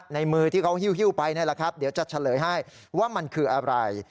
ในมือที่เขาฮิ้วไปนี่แหละครับเดี๋ยวจะเฉลยให้ว่ามันคืออะไร